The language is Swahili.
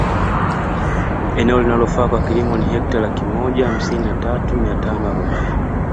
Eneo linalofaa kwa kilimo ni Hekta laki moja hamsini na tatu mia tano arobaini